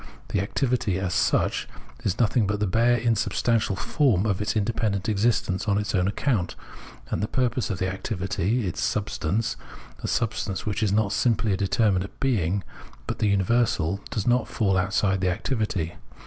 The activity as such is nothing but the bare insubstantial form of its independent existence on its own account; and the purpose of the activity, its substance — a. sub stance, which is not simply a determinate being, but the universal — does not fall outside the activity.